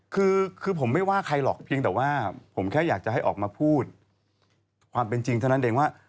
คือผมไม่ว่าใครหรอกเพียงแต่ว่าผมแค่อยากจะให้ออกมาพูดความเป็นจริงเท่านั้นเองว่า